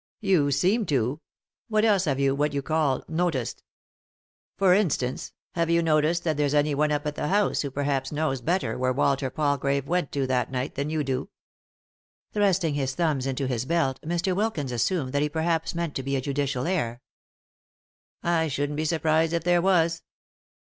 "You seem to. What else have you what you call ' noticed '? For instance, hare ycoticed that there's anyone up at the house who perhaps knows better where Walter Palgrave went to that night than you do ?" Thrusting his thumbs into his belt, Mr. Wilkins assumed what he perhaps meant to be a judicial air. " I shouldn't be surprised if there was."